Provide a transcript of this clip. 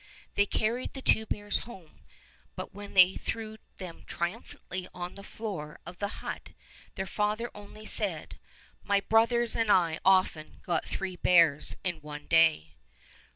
They carried the two bears home, but when they threw them triumphantly on the floor of the hut their father only said, "My brothers and I often got three bears in one day."